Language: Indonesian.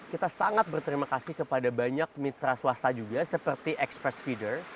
kita sangat berterima kasih kepada banyak mitra swasta juga seperti express feeder